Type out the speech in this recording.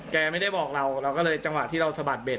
แกไม่ได้บอกเราเราก็เลยจังหวะที่เราสะบัดเด็ด